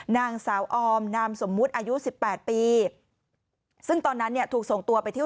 นางสาวออมนามสมมุติอายุสิบแปดปีซึ่งตอนนั้นเนี่ยถูกส่งตัวไปที่